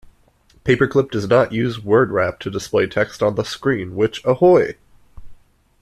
PaperClip does not use word wrap to display text on the screen, which Ahoy!